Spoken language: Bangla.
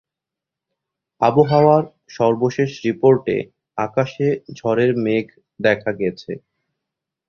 আবহাওয়ার সর্বশেষ রিপোর্টে আকাশে ঝড়ের মেঘ দেখা গেছে।